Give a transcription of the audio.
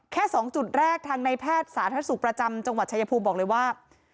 แค่๒จุดแรกทางในแพทย์สาธารณสุขประจำจังหวัดชายภูมิบอกเลยว่า